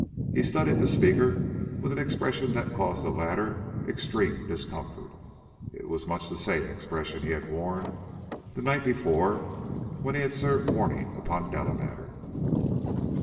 He studied the speaker with an expression that caused the latter extreme discomfort; it was much the same expression he had worn the night before when he had served warning upon Delamater.